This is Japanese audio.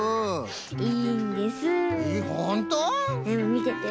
みてて。